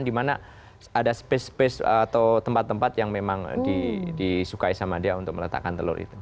dimana ada space space atau tempat tempat yang memang disukai sama dia untuk meletakkan telur itu